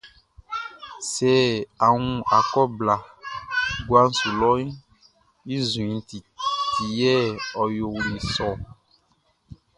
Sɛ a wun akɔ blaʼn guaʼn su lɔʼn, i nzuɛnʼn ti yɛ ɔ yoli sɔ ɔ.